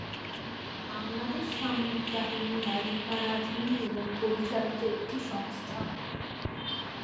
বাংলাদেশ সামরিক বাহিনী মালিকানাধীন এবং পরিচালিত একটি সংস্থা।